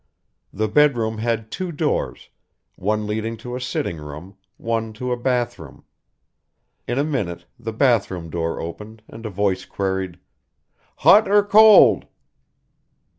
The bed room had two doors, one leading to a sitting room, one to a bath room; in a minute the bath room door opened and a voice queried, "Hot or cold?"